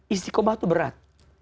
istikamah tuh berat